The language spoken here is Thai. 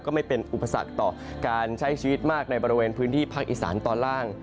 ไม่เป็นอุปสรรคต่อการใช้ชีวิตมากในบริเวณพื้นที่ภาคอีสานตอนล่าง